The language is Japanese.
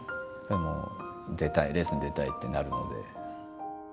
出たいレースに出たいってなるので。